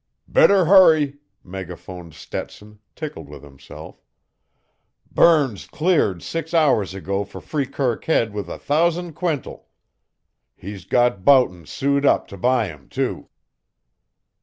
"Better hurry!" megaphoned Stetson, tickled with himself. "Burns cleared six hours ago for Freekirk Head with a thousand quintal. He's got Boughton sewed up to buy 'em, too."